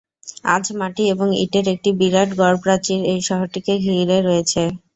আজ মাটি এবং ইটের একটি বিরাট গড়-প্রাচীর এই শহরটিকে ঘিরে রয়েছে।